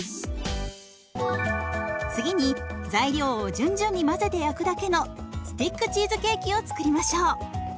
次に材料を順々に混ぜて焼くだけのスティックチーズケーキを作りましょう。